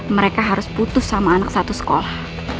mereka harus putus sama anak satu sekolah